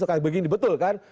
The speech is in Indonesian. seolah olah begini betul kan